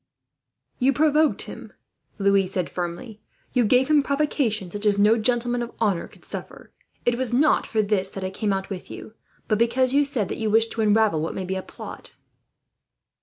"You provoked him," Louis said firmly. "You gave him provocation such as no gentleman of honour could suffer. It was not for this that I came out with you, but because you said that you wished to unravel what may be a plot."